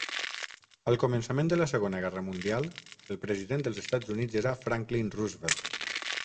Al començament de la Segona Guerra Mundial, el president dels Estats Units era Franklin Roosevelt.